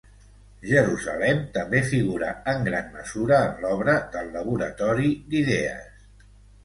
Jerusalem també figura en gran mesura en l'obra del laboratori d'idees.